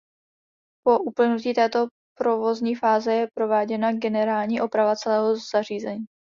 Po uplynutí této provozní fáze je prováděna generální oprava celého zařízení.